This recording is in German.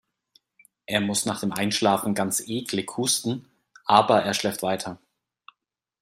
Er muss nach dem Einschlafen ganz eklig husten, aber er schläft weiter.